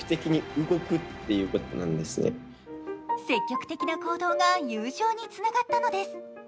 積極的な行動が優勝につながったのです。